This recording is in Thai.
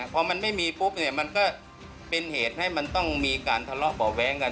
พอมันไม่มีปุ๊บเนี่ยมันก็เป็นเหตุให้มันต้องมีการทะเลาะเบาะแว้งกัน